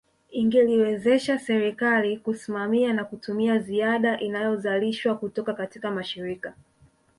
Ingeliwezesha serikali kusimamia na kutumia ziada inayozalishwa kutoka katika mashirika